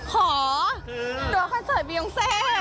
หอดูว่าคอนเสิร์ตบิยองเซ